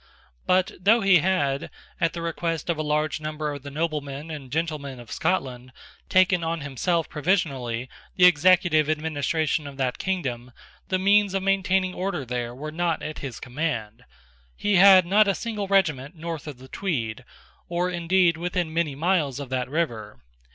But, though he had, at the request of a large number of the noblemen and gentlemen of Scotland, taken on himself provisionally the executive administration of that kingdom, the means of maintaining order there were not at his command. He had not a single regiment north of the Tweed, or indeed within many miles of that river.